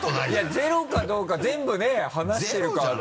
ゼロかどうか全部ね話してるかどうか。